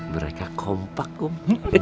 mereka kompak kum